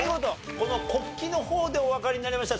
この国旗の方でおわかりになりました？